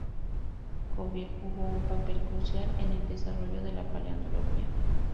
Cuvier jugó un papel crucial en el desarrollo de la paleontología.